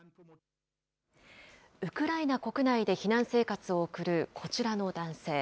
ウクライナ国内で避難生活を送るこちらの男性。